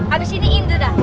abis ini itu dah